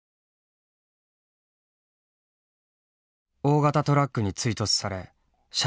大型トラックに追突され車両は大破。